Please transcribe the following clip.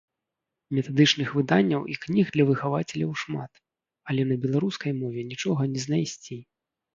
Метадычных выданняў і кніг для выхавацеляў шмат, але на беларускай мове нічога не знайсці.